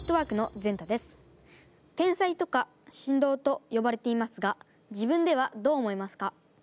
天才とか神童とよばれていますが自分ではどう思いますか？